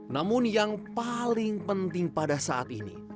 namun yang paling penting pada saat ini